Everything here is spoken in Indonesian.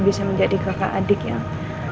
bisa menjadi kakak adik yang